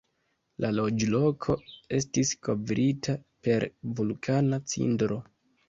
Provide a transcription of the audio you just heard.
La loĝloko estis kovrita per vulkana cindro.